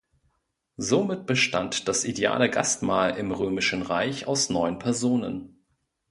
Somit bestand das ideale Gastmahl im römischen Reich aus neun Personen.